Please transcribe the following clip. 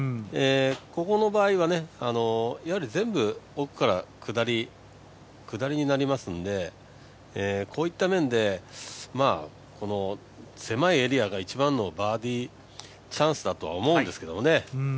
ここの場合は全部奥から下りになりますので、こういった面でこの狭いエリアが一番のバーディーチャンスだとは思うんですけどね。